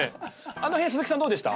あの辺鈴木さんどうでした？